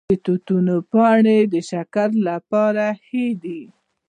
د توتانو پاڼې د شکر لپاره ښې دي؟